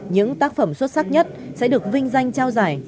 những tác phẩm xuất sắc nhất sẽ được vinh danh trao giải